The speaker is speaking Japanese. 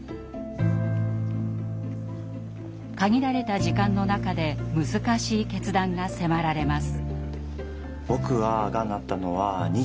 限られた時間の中で難しい決断が迫られます。